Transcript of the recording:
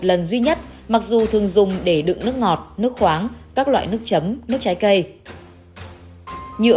lần duy nhất mặc dù thường dùng để đựng nước ngọt nước khoáng các loại nước chấm nước trái cây nhựa